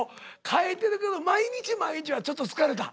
変えてるけど毎日毎日はちょっと疲れた。